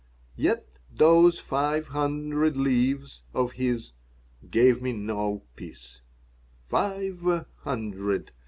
Yet those "five hundred leaves" of his gave me no peace. Five hundred!